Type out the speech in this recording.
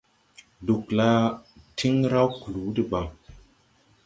Ɗugla tiŋ raw kluu debaŋ.